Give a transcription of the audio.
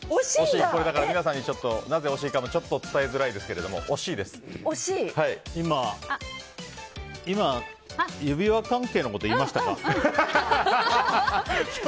皆さんにちょっとなぜ惜しいか伝えづらいですけど今、指輪関係のこと言いましたか？